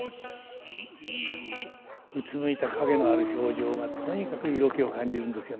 うつむいた陰のある表情がとにかく色気を感じるんですよね。